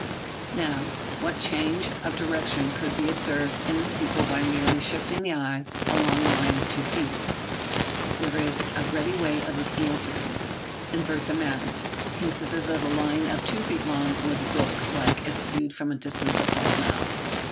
Now, what change of direction could be observed in the steeple by merely shifting the eye along a line of two feet? There is a ready way of answering. Invert the matter. Consider what a line of two feet long would look like if viewed from a distance of five miles.